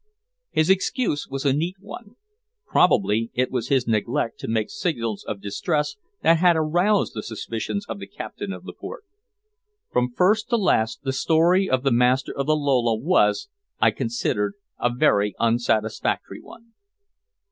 His excuse was a neat one. Probably it was his neglect to make signals of distress that had aroused the suspicions of the Captain of the Port. From first to last the story of the master of the Lola was, I considered, a very unsatisfactory one.